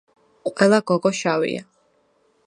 ყველა გოგო შავია